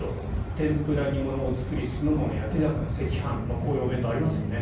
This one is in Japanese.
天ぷら、煮物、お造り、酢の物焼き魚、赤飯こういうお弁当ありますよね。